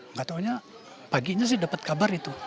nggak taunya paginya sih dapet kabar itu